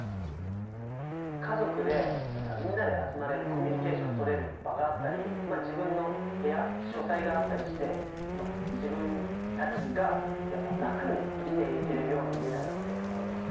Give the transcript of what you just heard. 家族で何かみんなで集まれるコミュニケーション取れる場があったり自分の部屋書斎があったりして自分たちがやっぱ楽に生きていけれるような家だなって思いました。